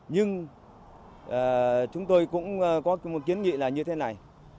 nhưng chúng tôi cũng có một kiến nghị là như thế này